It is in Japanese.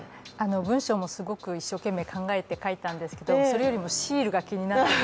文章もすごく一生懸命考えて書いたんですけどそれよりもシールが気になって。